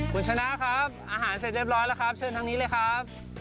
คุณชนะครับอาหารเสร็จเรียบร้อยแล้วครับเชิญทางนี้เลยครับ